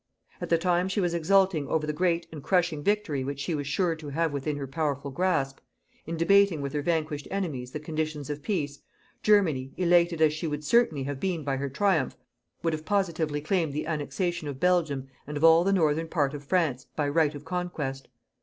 At the time she was exulting over the great and crushing victory which she was sure to have within her powerful grasp, in debating with her vanquished enemies, the conditions of peace, Germany, elated as she would certainly have been by her triumph, would have positively claimed the annexation of Belgium and of all the northern part of France by right of conquest.